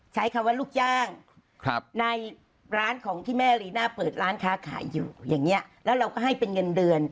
ใช้คำว่าลูกจ้างในร้านของที่แม่รีน่าเปิดร้านค้าขายอยู่อย่างนี้แล้วเราก็ให้เป็นเงินเดือน